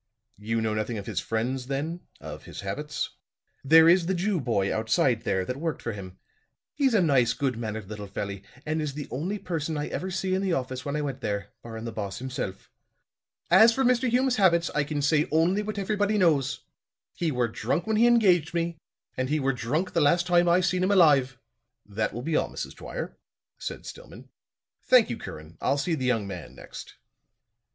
"You know nothing of his friends then of his habits?" "There is the Jew boy, outside there, that worked for him. He's a nice, good mannered little felly, and is the only person I ever see in the office when I went there, barrin' the boss himself. As for Mr. Hume's habits, I can say only what everybody knows. He were drunk when he engaged me, and he were drunk the last time I seen him alive." "That will be all, Mrs. Dwyer," said Stillman. "Thank you. Curran, I'll see the young man next."